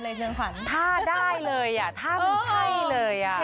โอ้โหถ้าได้เลยอะฆ่ามันใช่เลยอะ